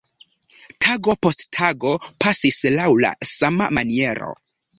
Tago post tago pasis laŭ la sama maniero.